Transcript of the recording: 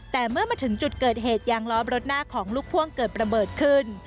แต่เมื่อมาถึงจุดเกิดเหตุยางล้อรถหน้าของลูกพ่วงเกิดระเบิดขึ้น